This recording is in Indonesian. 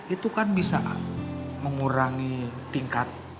itu kan bisa mengurangi tingkat